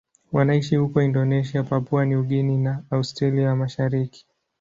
Wanaishi huko Indonesia, Papua New Guinea na Australia ya Mashariki.